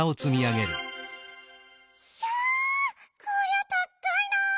ひゃこりゃたっかいな。